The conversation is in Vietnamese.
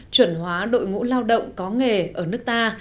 chuẩn hóa đội ngũ lao động có nghề ở nước ta